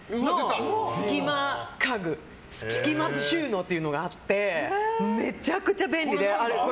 隙間家具、隙間収納っていうのがあってめちゃくちゃ便利で。